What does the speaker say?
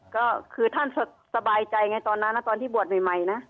ก็คือท่านสบายใจไงตอนนั้นนะตอนที่บวชใหม่นะ